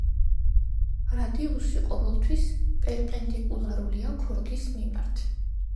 რადიუსი ყოველთვის პერპენდიკულარულია ქორდის მიმართ.